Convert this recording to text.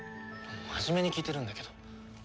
真面目に聞いてるんだけど。